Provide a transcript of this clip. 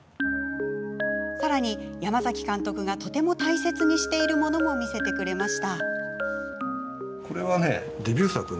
さらに、山崎監督がとても大切にしているものも見せてくれました。